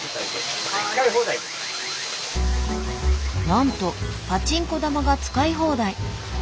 なんとパチンコ玉が使い放題。